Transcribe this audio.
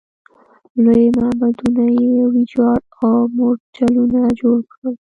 لوی معبدونه یې ویجاړ او مورچلونه جوړ شول.